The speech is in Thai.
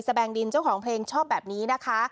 แบงดินเจ้าของเพลงชอบแบบนี้นะคะ